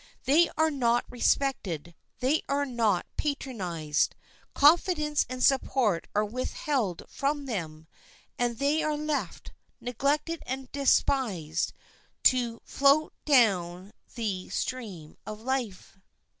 They are not respected, they are not patronized; confidence and support are withheld from them, and they are left, neglected and despised, to float down the stream of life.